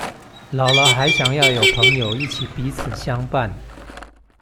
老了還想要有朋友一起彼此相伴